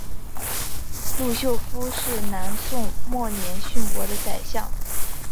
陆秀夫是南宋末年殉国的宰相。